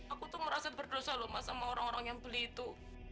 aku tuh ngerasa berdosa loh mas sama orang orang yang beli itu